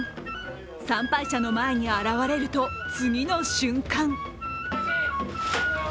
参拝者の前に現れると次の瞬間